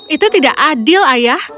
itu tidak adil ayah